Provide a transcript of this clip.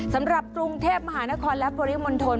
สำหรับกรุงเทพมหานครและปริมณฑล